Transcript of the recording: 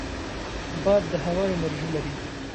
باد د هوا انرژي لري